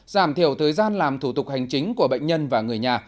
giảm thiểu thời gian làm thủ tục hành chính của bệnh nhân và người nhà